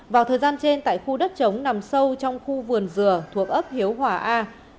vào thời gian trên tại khu đất trống nằm sâu trong khu vườn dừa thuộc ấp hiếu hòa a